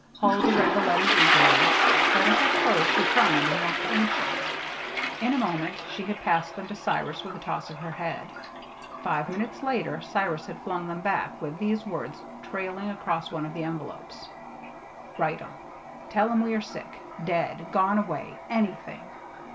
Huldah read the letters eagerly, but at their close she frowned and looked anxious. In a moment she had passed them to Cyrus with a toss of her head. Five minutes later Cyrus had flung them back with these words trailing across one of the envelopes: Write um. Tell um we are sick dead gone away anything!